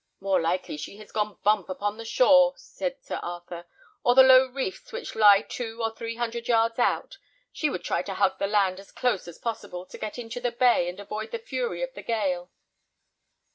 "More likely she has gone bump upon the shore," said Sir Arthur, "or the low reefs which lie two or three hundred yards out. She would try to hug the land as close as possible, to get into the bay, and avoid the fury of the gale."